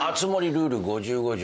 ルール５５条